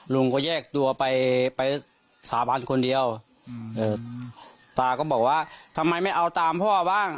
ลุงก็แยกตัวไปไปสาบานคนเดียวตาก็บอกว่าทำไมไม่เอาตามพ่อบ้าง